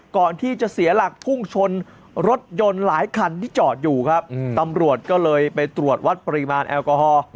ก่อนที่จะเสียหลักพุ่งชนรถยนต์หลายคันที่จอดอยู่ครับตำรวจก็เลยไปตรวจวัดปริมาณแอลกอฮอล์